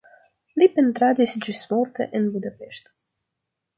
Li pentradis ĝismorte en Budapeŝto.